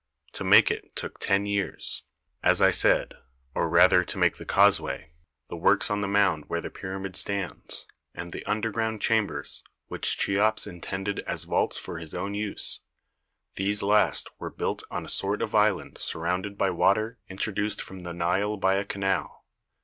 To make it took ten years, as I said or rather to make the causeway, the works on the mound where the pyramid stands, and the underground chambers, which Cheops in tended as vaults for his own use : these last were built on a sort of island surrounded by water introduced from the Nile by a canal.